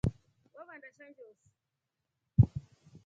Wavanda sha njofu.